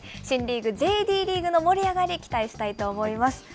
新リーグ、ＪＤリーグの盛り上がり、期待したいと思います。